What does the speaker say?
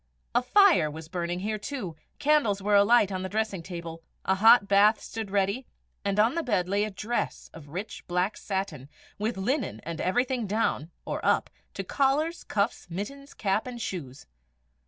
A fire was burning here too, candles were alight on the dressing table, a hot bath stood ready, on the bed lay a dress of rich black satin, with linen and everything down, or up, to collars, cuffs, mittens, cap, and shoes.